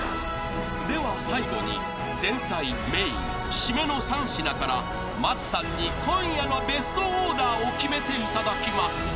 ［では最後に前菜メイン締めの３品から松さんに今夜のベストオーダーを決めていただきます］